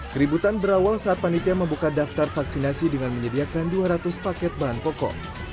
keributan berawal saat panitia membuka daftar vaksinasi dengan menyediakan dua ratus paket bahan pokok